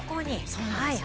そうなんですよ。